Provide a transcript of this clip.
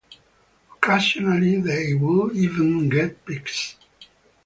Occasionally they would even get picks.